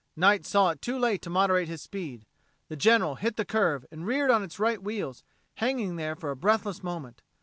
Knight saw it too late to moderate his speed. The General hit the curve and reared on its right wheels, hanging there for a breathless moment.